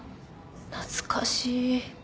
懐かしい。